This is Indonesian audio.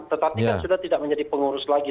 tetapi kan sudah tidak menjadi pengurus lagi